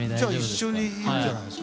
じゃあ一緒にいいんじゃないですか？